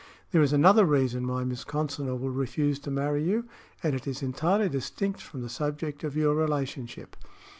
There is another reason why Miss Consinor will refuse to marry you, and it is entirely distinct from the subject of your relationship."